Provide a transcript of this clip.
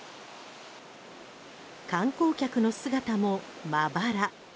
観光客の姿もまばら。